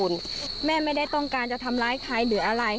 แม่ไม่ได้ต้องการจะทำร้ายใครหรืออะไร